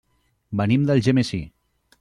Venim d'Algemesí.